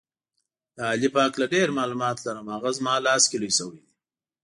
د علي په هکله ډېر معلومات لرم، هغه زما لاس کې لوی شوی دی.